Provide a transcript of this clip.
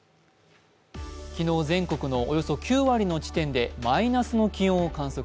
昨日、全国のおよそ９割の地点でマイナスの気温を観測。